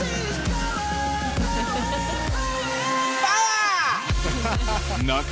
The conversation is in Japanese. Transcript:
パワー！